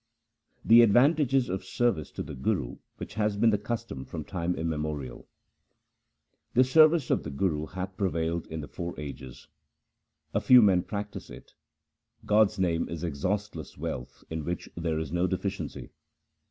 The advantages of service to the Guru which has been the custom from time immemorial :— The service of the Guru hath prevailed in the four ages : A few men practise it. God's name is exhaustless wealth in which there is no deficiency.